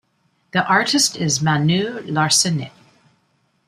The artist is Manu Larcenet.